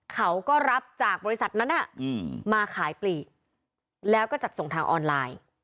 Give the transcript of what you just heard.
เขาก็รับจากบริษัทนั้นมาขายปลีกแล้วก็จัดส่งทางออนไลน์